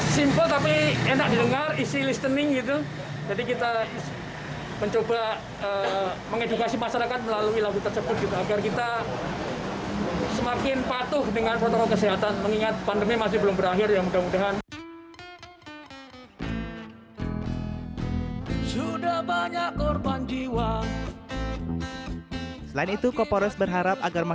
simpel tapi enak dengar isi listening gitu